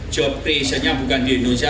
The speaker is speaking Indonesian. job creation nya bukan di indonesia